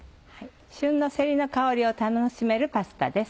旬のせりの香りを楽しめるパスタです。